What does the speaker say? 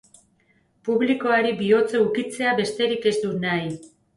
Publikoari bihotza ukitzea besterik ez dut nahi.